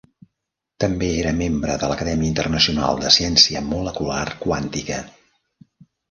També era membre de l'Acadèmia Internacional de Ciència Molecular Quàntica.